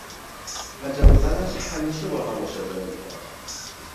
رجب و زنش همیشه با هم مشاجره میکردند.